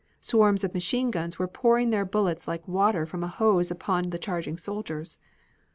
Swarms of machine guns were pouring their bullets like water from a hose upon the charging soldiers.